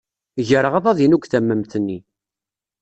Greɣ aḍad-inu deg tamemt-nni.